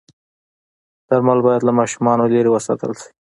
درمل باید له ماشومانو لرې وساتل شي.